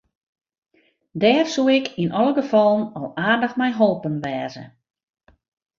Dêr soe ik yn alle gefallen al aardich mei holpen wêze.